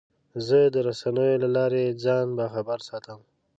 زه د رسنیو له لارې ځان باخبره ساتم.